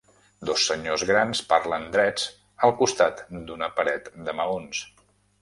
Dos senyors grans parlen drets al costat d'una paret de maons.